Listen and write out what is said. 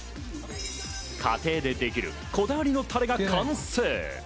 家庭でできるこだわりのタレが完成。